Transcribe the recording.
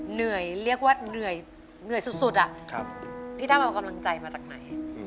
เหนื่อยเรียกว่าเหนื่อยสุดพี่ตั้มเอากำลังใจมาจากไหน